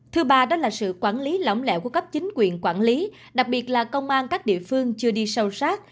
thứ ba đó là sự quản lý lỏng lẻo của cấp chính quyền quản lý đặc biệt là công an các địa phương chưa đi sâu sát